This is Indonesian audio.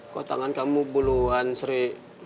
kok tangan kamu puluhan sri